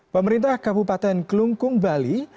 pemerintah kabupaten kelungkung bali